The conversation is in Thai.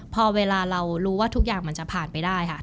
พอเวลาเรารู้ว่าทุกอย่างมันจะผ่านไปได้ค่ะ